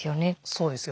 そうですよね。